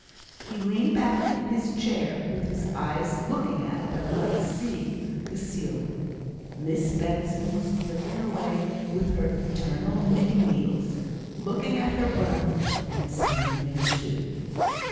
He leant back in his chair, with his eyes looking at, but not seeing the ceiling. Miss Benson was clicking away with her eternal knitting needles, looking at her brother, and seeing him, too.